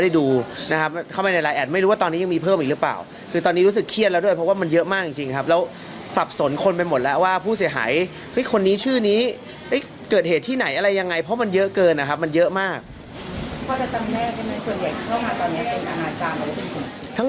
ส่วนใหญ่เข้ามาตอนนี้จะเป็นอนาจารย์หรือเป็นคน